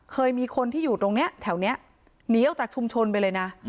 เคยมีคนที่อยู่ตรงนี้แถวนี้หนีออกจากชุมชนไปเลยนะ